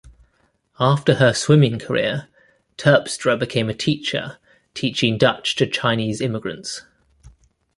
After her swimming career Terpstra became a teacher, teaching Dutch to Chinese immigrants.